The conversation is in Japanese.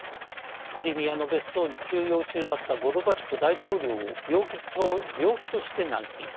クリミアの別荘に休養中だったゴルバチョフ大統領を病気として軟禁。